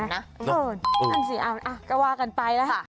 เออเอาละสิเอาละเอาก็ว่ากันไปละ